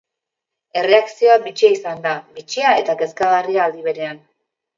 Erreakzioa bitxia izan da, bitxia eta kezkagarria aldi berean.